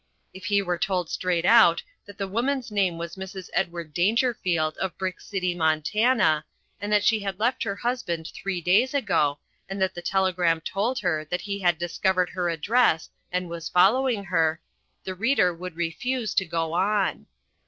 If he were told straight out that the woman's name was Mrs. Edward Dangerfield of Brick City, Montana, and that she had left her husband three days ago and that the telegram told her that he had discovered her address and was following her, the reader would refuse to go on.